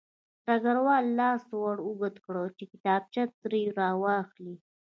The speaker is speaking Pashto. ډګروال لاس ور اوږد کړ چې کتابچه ترې راواخلي